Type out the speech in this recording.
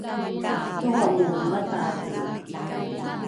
toramoro mataadhi’i